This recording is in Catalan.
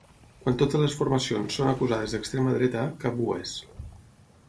Quan totes les formacions són acusades d’extrema dreta, cap ho és.